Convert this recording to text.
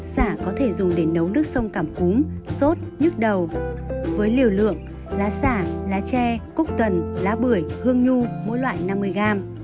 xả có thể dùng để nấu nước sông cảm cúm sốt nhức đầu với liều lượng lá xả lá tre cúc cần lá bưởi hương nhu mỗi loại năm mươi gram